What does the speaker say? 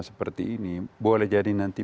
seperti ini boleh jadi nanti